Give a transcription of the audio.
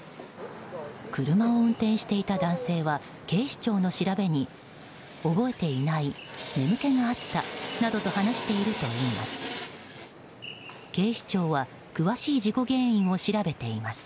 車を運転していた男性は警視庁の調べに覚えていない眠気があったなどと話しているといいます。